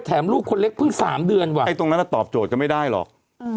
แถมลูกคนเล็กเพิ่งสามเดือนตรงนั้นเราตอบโจทย์ก็ไม่ได้หรอก